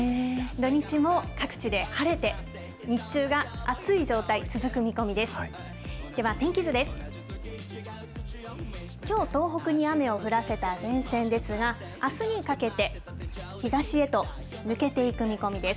土日も各地で晴れて、日中が暑い状態、続く見込みです。